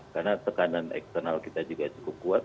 karena tekanan eksternal kita juga cukup kuat